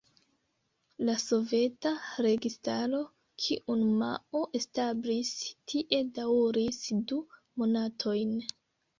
La Soveta registaro kiun Mao establis tie daŭris du monatojn.